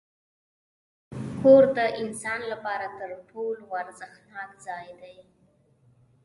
کور د انسان لپاره تر ټولو ارزښتناک ځای دی.